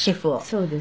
そうです。